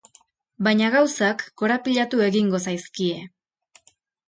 Baina gauzak korapilatu egingo zaizkie.